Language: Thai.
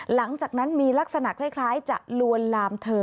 หลังจากนั้นมีลักษณะคล้ายจะลวนลามเธอ